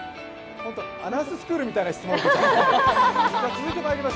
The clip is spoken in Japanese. アナウンススクールみたいな質問だったね。